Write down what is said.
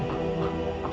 ampun nih mas